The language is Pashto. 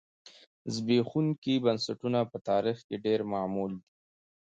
زبېښونکي بنسټونه په تاریخ کې ډېر معمول دي